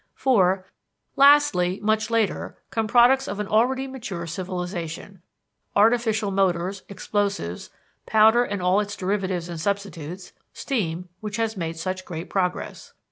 (4) Lastly, much later, come products of an already mature civilization, artificial motors, explosives, powder and all its derivatives and substitutes steam, which has made such great progress.